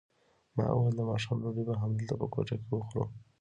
ما وویل د ماښام ډوډۍ به همدلته په کوټه کې وخورو.